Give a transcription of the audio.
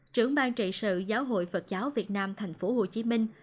trưởng ban trị sự giáo hội phật giáo việt nam thành phố hồ chí minh